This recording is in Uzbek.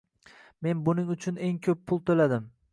Men buning uchun eng ko'p pul to'ladim